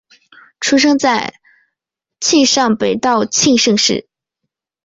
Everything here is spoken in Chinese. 出生在庆尚北道庆州市。